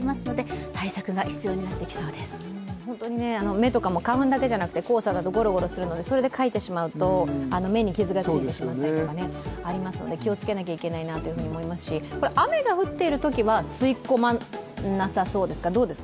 目とかも花粉だけじゃなくて黄砂だとゴロゴロするのでそれでかいてしまうと、目に傷がついてしまったりとかありますので気を付けなきゃいけないなというふうに思いますし、雨が降っているときは吸い込まなさそうですか？